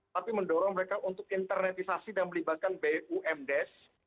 tapi mendorong mereka untuk internetisasi dan melibatkan bumdes